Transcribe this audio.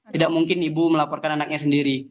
tidak mungkin ibu melaporkan anaknya sendiri